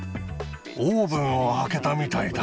オーブンを開けたみたいだ。